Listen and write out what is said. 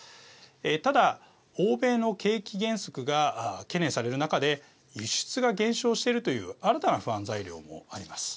ただ、欧米の景気減速が懸念される中で輸出が減少しているという新たな不安材料もあります。